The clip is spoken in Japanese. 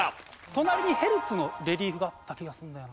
隣にヘルツのレリーフがあった気がするんだよな。